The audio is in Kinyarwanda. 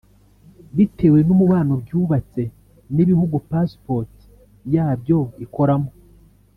bitewe n’umubano byubatse n’ibihugu passport yabyo ikoramo